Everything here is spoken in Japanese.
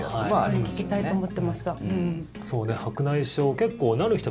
それ、聞きたいと思ってました。